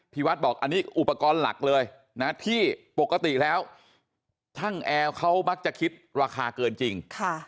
วัดบอกอันนี้อุปกรณ์หลักเลยนะที่ปกติแล้วช่างแอร์เขามักจะคิดราคาเกินจริง